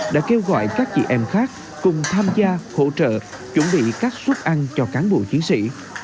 đã kêu gọi các chị em khác cùng tham gia hỗ trợ chuẩn bị các suất ăn cho cán bộ chiến sĩ